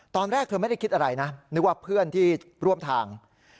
ตอนแรกเธอไม่ได้คิดอะไรนะนึกว่าเพื่อนที่ร่วมทาง